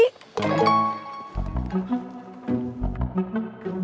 bisa pake sendiri